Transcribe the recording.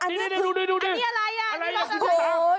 นี่ดูนี่อะไร